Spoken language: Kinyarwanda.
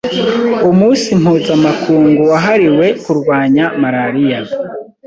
umunsi mpuzamakungu wahariwe kurwanya malaria.